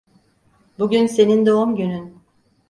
Bugün senin doğum günün.